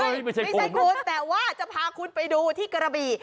ไม่ใช่ไม่ใช่คุณแต่ว่าจะพาคุณไปดูที่กระบี่